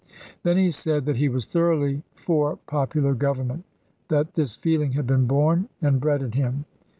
Then he said, that he was thoroughly for popular government, that this feeling had been born and bred in him.